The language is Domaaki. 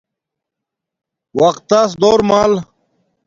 وقت تس دور مل